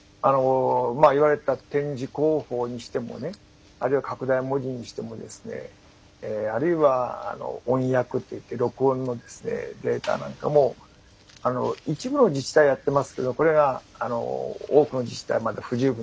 言われた点字公報にしてもあるいは拡大文字にしてもあるいは音訳といって録音のデータなんかも一部の自治体はやってますけどこれが多くの自治体はまだ不十分であると。